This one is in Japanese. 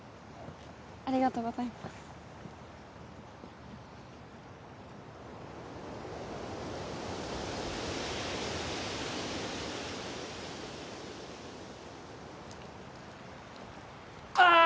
ありがとうございますあーっ！